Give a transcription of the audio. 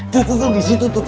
tuh tuh disitu tuh